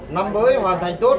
năm mới hoàn thành tốt